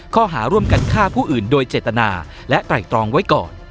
ข้อหาร่วมกันฆ่าผู้อื่นโดยเจตนาและไตรตรองไว้ก่อน